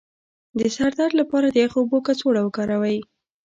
د سر د درد لپاره د یخو اوبو کڅوړه وکاروئ